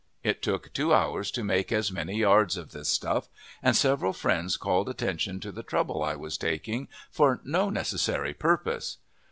It took two hours to make as many yards of this stuff, and several friends called attention to the trouble I was taking for no necessary purpose.